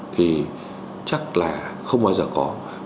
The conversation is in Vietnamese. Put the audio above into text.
thì chắc là không bao giờ có